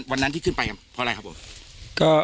วันนั้นที่ขึ้นไปเพราะอะไรครับผม